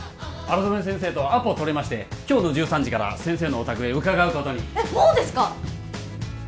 荒染先生とアポ取れまして今日の１３時から先生のお宅へ伺うことにえっもうですか！？